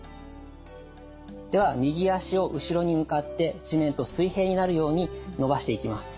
では右脚を後ろに向かって地面と水平になるように伸ばしていきます。